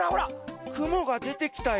くもがでてきたよ。